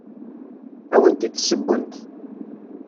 Ad awent-d-ssewwent.